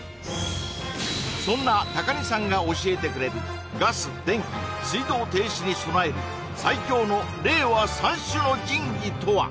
そんな高荷さんが教えてくれるガス電気水道停止に備える最強の令和三種の神器とは？